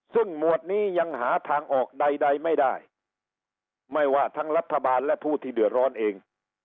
ซึ่งหมวดนี้ยังหาทางออกใดไม่ได้ไม่ว่าทั้งรัฐบาลและผู้ที่เดือดร้อนเอง